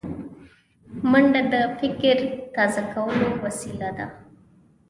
منډه د فکر تازه کولو وسیله ده